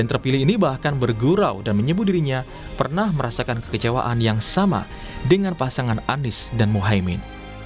yang terpilih ini bahkan bergurau dan menyebut dirinya pernah merasakan kekecewaan yang sama dengan pasangan anies dan muhaymin